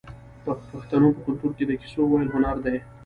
د پښتنو په کلتور کې د کیسو ویل هنر دی.